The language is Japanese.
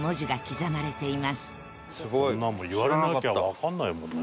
そんなんも言われなきゃわかんないもんね。